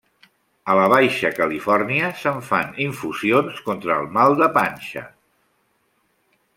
A la Baixa Califòrnia se'n fan infusions contra el mal de panxa.